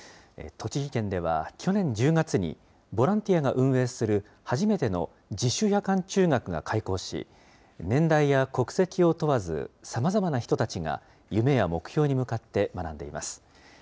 栃木県では去年１０月に、ボランティアが運営する初めての自主夜間中学が開校し、年代や国籍を問わず、さまざまな人たちが夢や目標に向かって学んでいます。